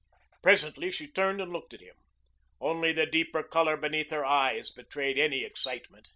Presently she turned and looked at him. Only the deeper color beneath her eyes betrayed any excitement.